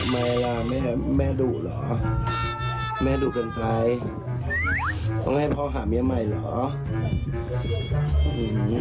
แม่ดูดเกินไปต้องให้พ่อหาเมียใหม่เหรอ